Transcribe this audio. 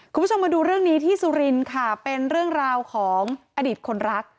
คุณผู้ชมมาดูเรื่องนี้ที่สุรินทร์ค่ะเป็นเรื่องราวของอดีตคนรัก